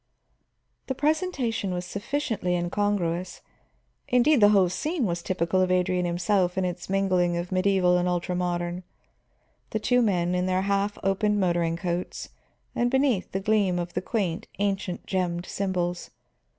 The presentation was sufficiently incongruous, indeed the whole scene was typical of Adrian himself in its mingling of medieval and ultra modern: the two men in their half opened motoring coats, and beneath, the gleam of the quaint, ancient, gemmed symbols.